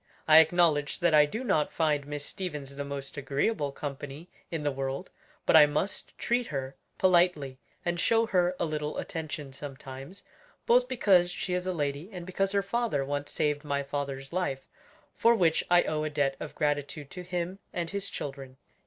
I acknowledge that I do not find Miss Stevens the most agreeable company in the world, but I must treat her politely, and show her a little attention sometimes; both because she is a lady and because her father once saved my father's life; for which I owe a debt of gratitude to him and his children."